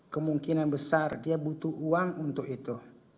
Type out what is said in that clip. kemungkinan besar dia butuh uang untuk itu